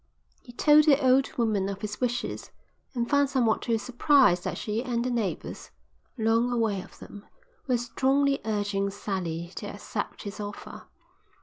He told the old woman of his wishes, and found somewhat to his surprise that she and the neighbours, long aware of them, were strongly urging Sally to accept his offer.